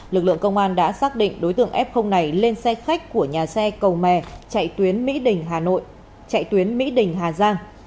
lực lượng công an đã xác định đối tượng f này lên xe khách của nhà xe cầu mè chạy tuyến mỹ đình hà giang